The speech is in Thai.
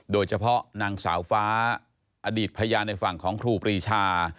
โดยเฉพาะนางสาวฟ้าอดีตพยานในฝั่งของครูปรีชา